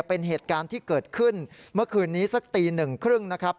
เป็นเหตุการณ์ที่เกิดขึ้นเมื่อคืนนี้สักตีหนึ่งครึ่งนะครับ